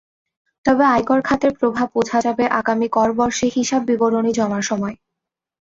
তবে আয়কর খাতের প্রভাব বোঝা যাবে আগামী করবর্ষে হিসাব বিবরণী জমার সময়।